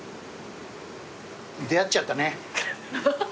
出会っちゃったね。